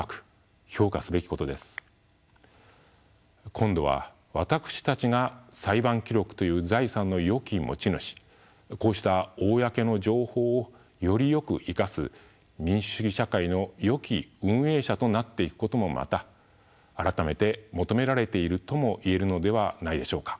今度は私たちが裁判記録という財産のよき持ち主こうした公の情報をよりよく生かす民主主義社会の良き運営者となっていくこともまた改めて求められているともいえるのではないでしょうか。